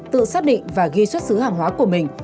tự xác định và ghi xuất xứ hàng hóa của mình